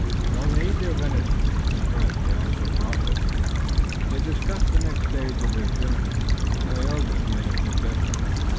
While they ate their venison and some bread they had also brought with them, they discussed the next stage of their journey, and Tayoga made a suggestion.